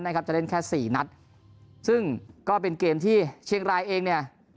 จะเล่นแค่สี่นัดซึ่งก็เป็นเกมที่เชียงรายเองเนี่ย